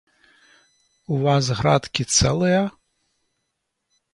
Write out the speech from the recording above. У вас градкі цэлыя?